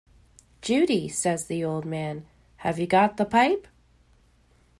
"Judy," says the old man, "have you got the pipe?"